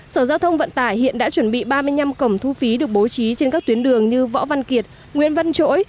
sở giao thông vận tải hiện đã chuẩn bị ba mươi năm cổng thu phí được bố trí trên các tuyến đường như võ văn kiệt nguyễn văn chỗi